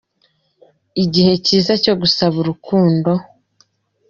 Igihe cyiza cyo gusaba urukundo